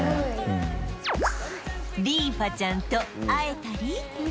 リーファちゃんと会えたり